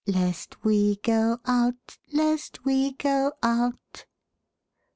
Lest we go out, lest we go out."